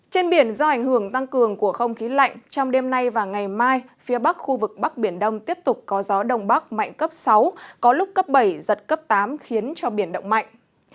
trên biển do ảnh hưởng tăng cường của không khí lạnh trong đêm nay và ngày mai phía bắc khu vực bắc biển đông tiếp tục có gió đông bắc mạnh cấp sáu có lúc cấp bảy giật cấp tám khiến cho biển động mạnh